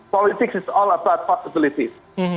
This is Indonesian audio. politik adalah tentang kemungkinan